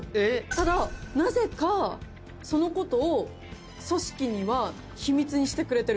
ただなぜかそのことを組織には秘密にしてくれてるんですよ。